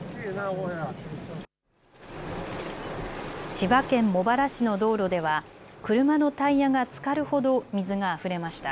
千葉県茂原市の道路では車のタイヤがつかるほど水があふれました。